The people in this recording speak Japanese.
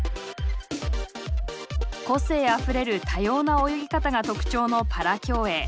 個性あふれる多様な泳ぎ方が特徴のパラ競泳。